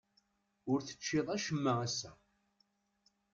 Ur teččiḍ acemma ass-a?